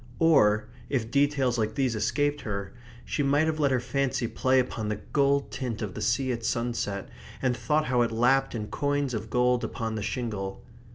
Or, if details like these escaped her, she might have let her fancy play upon the gold tint of the sea at sunset, and thought how it lapped in coins of gold upon the shingle.